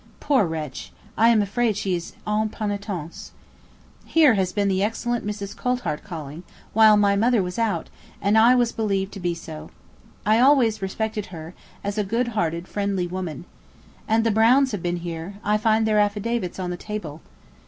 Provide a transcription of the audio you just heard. Poor wretch; I am afraid she is en penitence. Here has been that excellent Mrs. Coulthart calling, while my mother was out, and I was believed to be so. I always respected her, as a good hearted friendly woman. And the Browns have been here; I find their affidavits on the table.